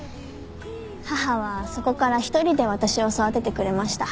母はそこから一人で私を育ててくれました。